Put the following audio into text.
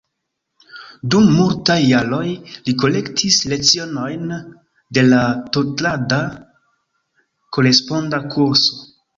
Dum multaj jaroj li korektis lecionojn de la tutlanda koresponda kurso.